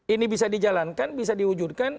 ini bisa dijalankan bisa diwujudkan